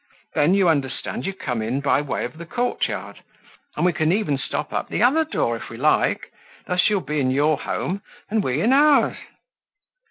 Then, you understand you come in by way of the courtyard, and we can even stop up the other door, if we like. Thus you'll be in your home, and we in ours."